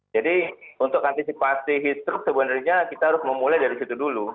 jadi untuk antisipasi heat stroke sebenarnya kita harus memulai dari situ dulu